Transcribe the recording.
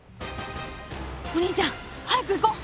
お兄ちゃん早く行こう！